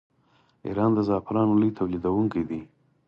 ایران د زعفرانو لوی تولیدونکی دی.